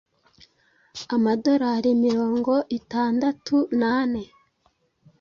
amadolari mirongo itandatu n’ane